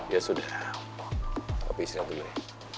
ya sudah papi istirahat dulu ya